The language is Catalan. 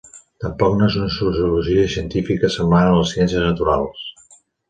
Tampoc no és una sociologia científica semblant a les ciències naturals.